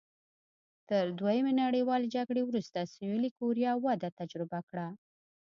تر دویمې نړیوالې جګړې وروسته سوېلي کوریا وده تجربه کړه.